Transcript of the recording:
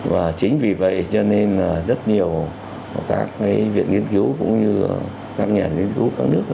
và chính vì vậy cho nên là rất nhiều các viện nghiên cứu cũng như các nhà nghiên cứu các nước